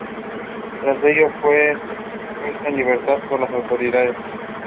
Hutchins was married to Sarah Elizabeth Lambert.